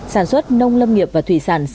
sản xuất nông lâm nghiệp và thủy sản